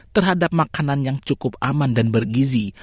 terhadap makanan yang cukup aman dan bergizi